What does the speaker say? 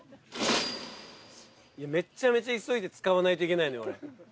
めっちゃめちゃ急いで使わないといけないのよ。